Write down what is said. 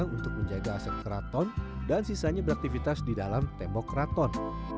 untuk menjaga aset keraton dan sisanya beraktivitas di dalam tembok keraton